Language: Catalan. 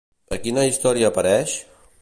A quina història apareix?